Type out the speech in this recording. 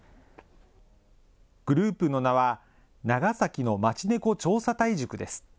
グループの名は、長崎の町ねこ調査隊塾です。